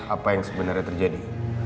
apa yang sebenarnya terjadi